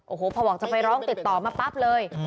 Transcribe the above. โอ้โหพอบอกจะไปร้องติดต่อมาปั๊บเลย